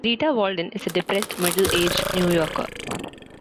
Rita Walden is a depressed middle-aged New Yorker.